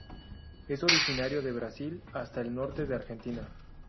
Es originario de Brasil hasta el norte de Argentina.